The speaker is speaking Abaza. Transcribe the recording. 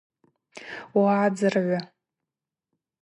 Угӏадзыргӏвы!